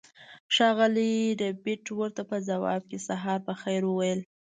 ښاغلي ربیټ ورته په ځواب کې سهار په خیر وویل